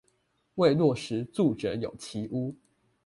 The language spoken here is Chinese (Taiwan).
為落實住者有其屋